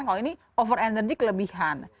kalau ini over energy kelebihan